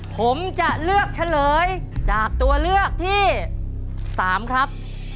ผมจะเลือกเฉลยจากตัวเลือกที่๓ครับ